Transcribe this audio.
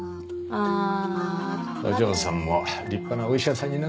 お嬢さんも立派なお医者さんになって。